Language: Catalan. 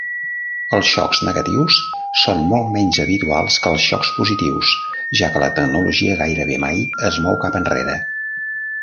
Els xocs negatius són molt menys habituals que els xocs positius ja que la tecnologia gairebé mai es mou cap enrere.